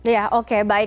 ya oke baik